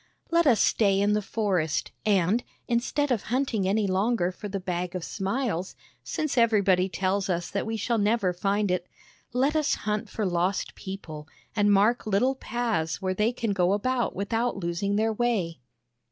Let us stay in the forest, and, instead of hunting any longer for the THE BAG OF SMILES Bag of Smiles, since everybody tells us that we shall never find it, let us hunt for lost people, and mark little paths where they can go about without losing their way."